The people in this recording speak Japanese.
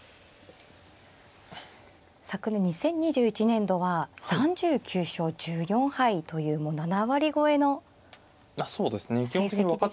昨年２０２１年度は３９勝１４敗というもう７割超えの成績でした。